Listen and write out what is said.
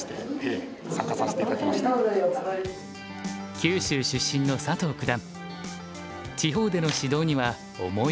九州出身の佐藤九段。